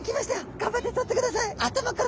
頑張ってとってください。